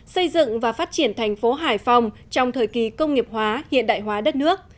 xây dựng và phát triển thành phố hải phòng trong thời kỳ công nghiệp hóa hiện đại hóa đất nước